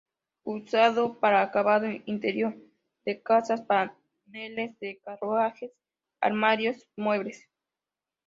Usado para acabado interior de casas, paneles de carruajes, armarios, muebles.